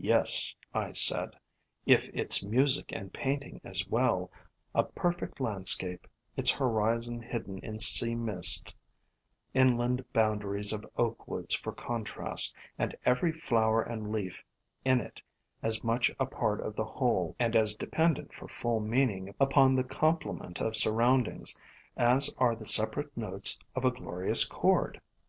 "Yes," I said, "it is music and paint ing as well, a perfect land scape, its horizon hidden in sea mist, inland boundaries of Oak woods for contrast, and every flower and leaf in it as much a part of the whole, and as dependent for full meaning upon the com plement of surroundings, as are the separate notes of a glorious chord."